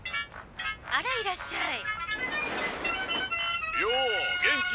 「あらいらっしゃい」。